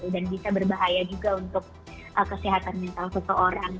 dan bisa berbahaya juga untuk kesehatan mental seseorang